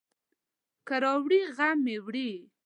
که راواړوي، غم مې وړي.